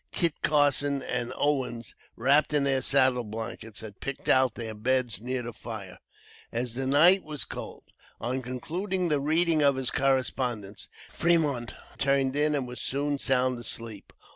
Kit Carson and Owens, wrapped in their saddle blankets, had picked out their beds near the fire, as the night was cold. On concluding the reading of his correspondence, Fremont turned in and was soon sound asleep.